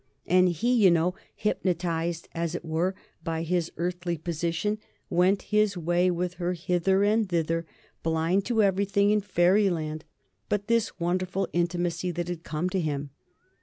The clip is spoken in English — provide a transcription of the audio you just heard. And he, you know, hypnotised as it were by his earthly position, went his way with her hither and thither, blind to everything in Fairyland but this wonderful intimacy that had come to him.